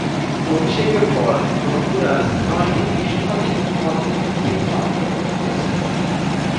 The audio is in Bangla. অভিষেকের পর হন্ডুরাস নয়টি গ্রীষ্মকালীন অলিম্পিক গেমসে অংশগ্রহণ করেছে।